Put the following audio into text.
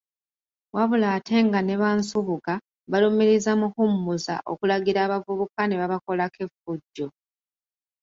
Wabula ate nga ne ba Nsubuga balumiriza Muhumuza okulagira abavubuka ne babakolako effujjo.